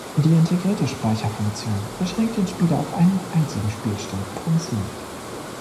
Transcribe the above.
Die integrierte Speicherfunktion beschränkt den Spieler auf einen einzigen Spielstand pro Mission.